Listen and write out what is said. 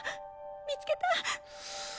見つけた？